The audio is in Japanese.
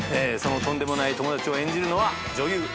そのとんでもない友達を演じるのは女優